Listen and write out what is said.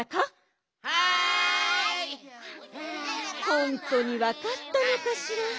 ほんとにわかったのかしら。